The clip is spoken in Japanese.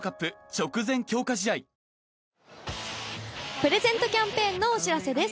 プレゼントキャンペーンのお知らせです。